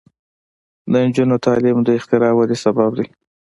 د نجونو تعلیم د اختراع ودې سبب دی.